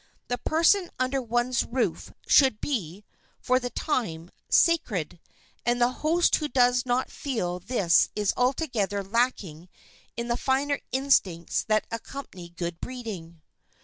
The person under one's roof should be, for the time, sacred, and the host who does not feel this is altogether lacking in the finer instincts that accompany good breeding.